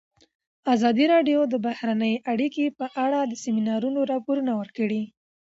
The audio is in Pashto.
ازادي راډیو د بهرنۍ اړیکې په اړه د سیمینارونو راپورونه ورکړي.